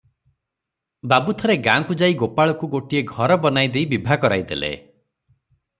ବାବୁ ଥରେ ଗାଁ କୁ ଯାଇ ଗୋପାଳକୁ ଗୋଟିଏ ଘର ବନାଈ ଦେଇ ବିଭା କରାଇ ଦେଲେ ।